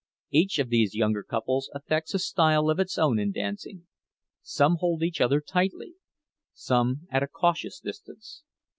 Each of these younger couples affects a style of its own in dancing. Some hold each other tightly, some at a cautious distance.